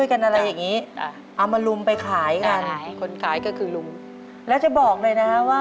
โอเคเขุดอยู่รับออกใส่